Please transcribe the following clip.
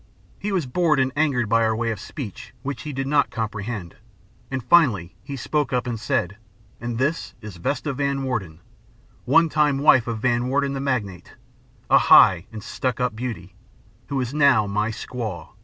He was bored and angered by our way of speech which he did not comprehend, and finally he spoke up and said: 'And this is Vesta Van Warden, one time wife of Van Warden the Magnate a high and stuck up beauty, who is now my squaw.